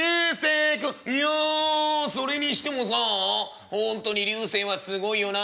「いやそれにしてもさあほんとに流星はすごいよな。